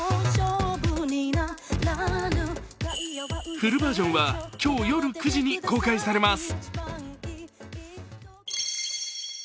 フルバージョンは今日夜９時に公開されます。